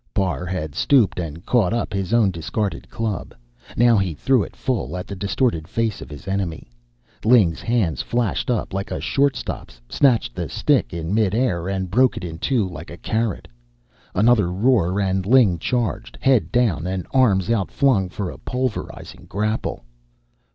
Parr had stooped and caught up his own discarded club. Now he threw it full at the distorted face of his enemy. Ling's hands flashed up like a shortstop's, snatched the stick in midair, and broke it in two like a carrot. Another roar, and Ling charged, head down and arms outflung for a pulverizing grapple.